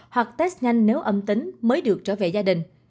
hoặc test nhanh nếu âm tính mới được trở về gia đình